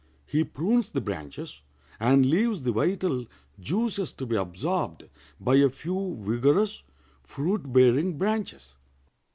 He prunes the branches, and leaves the vital juices to be absorbed by a few vigorous, fruit bearing branches.